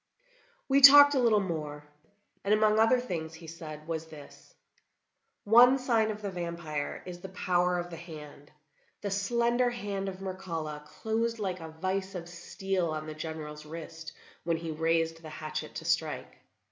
We talked a little more, and among other things he said was this: "One sign of the vampire is the power of the hand. The slender hand of Mircalla closed like a vice of steel on the General's wrist when he raised the hatchet to strike.